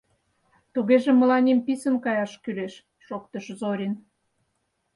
— Тугеже мыланем писын каяш кӱлеш, — шоктыш Зорин.